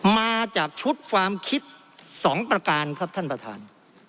มาจากชุดความคิด๒ประการครับท่านประธาน